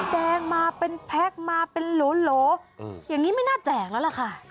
แดงมาเป็นแพ็คมาเป็นโหลอย่างนี้ไม่น่าแจกแล้วล่ะค่ะ